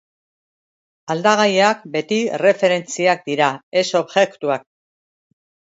Aldagaiak beti erreferentziak dira, ez objektuak.